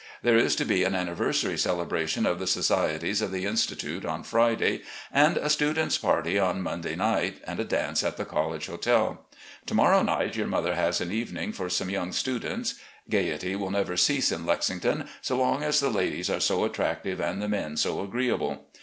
There is to be an anniversary celebration of the societies of the Institute on Friday, and a students' party on Mon day night, and a dance at the College Hotel. To morrow night your mother has an evening for some young students. Gaiety will never cease in Lexington so long as the ladies are so attractive and the men so agreeable.